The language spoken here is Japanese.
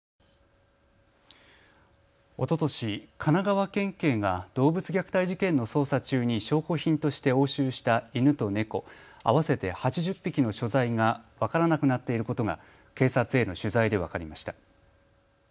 おととし、神奈川県警が動物虐待事件の捜査中に証拠品として押収した犬と猫合わせて８０匹の所在が分からなくなっていることが警察への取材で分かりました。